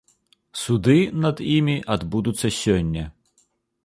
Суды над імі адбудуцца сёння.